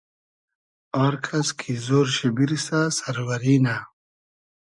آر کئس کی زۉر شی بیرسۂ سئروئری نۂ